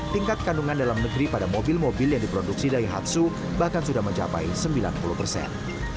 tingkat kandungan dalam negeri pada mobil mobil yang diproduksi dari hatsu bahkan sudah mencapai sembilan puluh persen